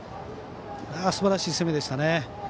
すばらしい攻めでしたね。